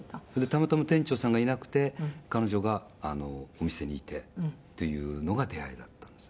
たまたま店長さんがいなくて彼女がお店にいてというのが出会いだったんです。